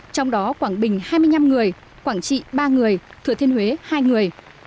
trong đó quảng bình hai mươi năm người quảng trị ba người thừa thiên huế hai người